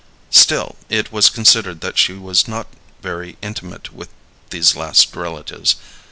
Still, it was considered that she was not very intimate with these last relatives.